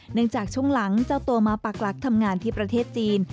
จากช่วงหลังเจ้าตัวมาปักหลักทำงานที่ประเทศจีน